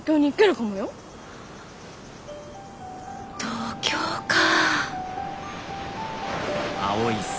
東京か。